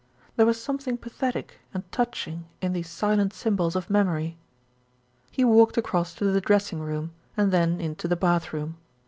There was something pathetic and touching in these silent symbols of memory. He walked across to the dressing room, and then into the bath room.